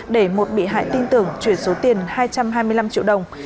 để một bị hại tin tưởng chuyển số tiền hai trăm hai mươi năm triệu đồng